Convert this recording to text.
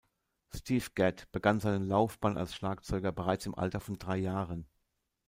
Steve Gadd begann seine Laufbahn als Schlagzeuger bereits im Alter von drei Jahren.